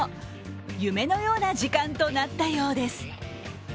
夢のような時間となったようです。